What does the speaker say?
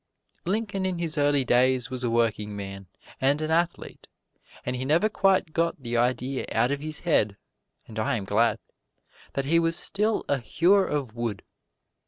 Lincoln in his early days was a workingman and an athlete, and he never quite got the idea out of his head (and I am glad) that he was still a hewer of wood.